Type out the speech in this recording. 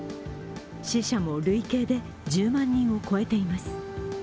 死者も累計で１０万人を超えています。